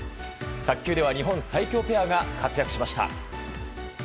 卓球では日本最強ペアが活躍しました。